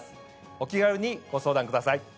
お気軽にご相談ください。